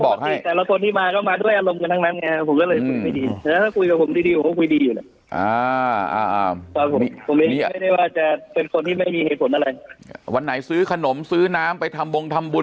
เป็นคนที่ไม่มีเหตุผลอะไรวันไหนซื้อขนมซื้อน้ำไปทำบงทำบุล